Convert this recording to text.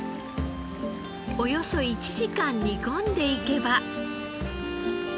およそ１時間煮込んでいけば。